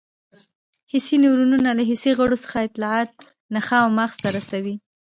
حسي نیورونونه له حسي غړو څخه اطلاعات نخاع او مغز ته رسوي.